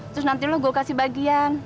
terus nanti lu gua kasih bagian